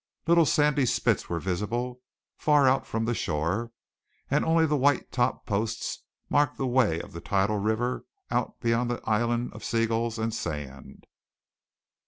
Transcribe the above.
Little sandy spits were visible, far out from the shore, and only the white topped posts marked the way of the tidal river out beyond the island of seagulls and sand.